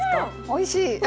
おいしい！